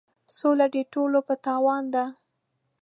سوله د ټولو په تاوان ده.